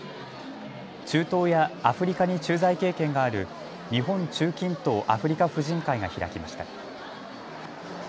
中東やアフリカに駐在経験がある日本中近東アフリカ婦人会が開きました。